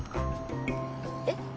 えっ？